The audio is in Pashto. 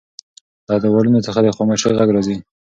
له دیوالونو څخه د خاموشۍ غږ راځي.